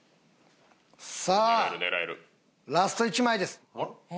さあラスト１枚です。